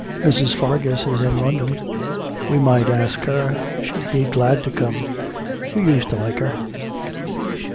Mrs. Fargus is in London; we might ask her, she'd be glad to come; you used to like her.'